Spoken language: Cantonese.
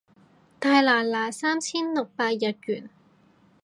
大拿拿三千六百日圓